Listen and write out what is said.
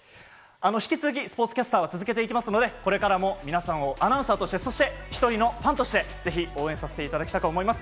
引き続きスポーツキャスターは続けていきますのでこれからも皆さんをアナウンサーとして１人のファンとしてぜひ応援させていただきたいと思います。